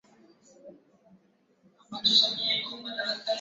mahakama ya kimataifa ya haki za binadamu ilihukumu kesi za mauaji